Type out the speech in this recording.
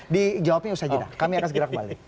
dijawabnya usha jinnah kami akan segera kembali